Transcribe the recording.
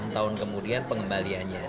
enam tahun kemudian pengembaliannya